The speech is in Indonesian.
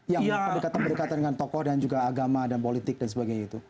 yang berdekatan berdekatan dengan tokoh dan juga agama dan politik dan sebagainya itu